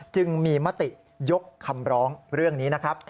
จึงมีมติยกคำร้องเรื่องนี้นะครับ